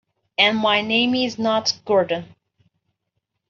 And my name is not Gordon.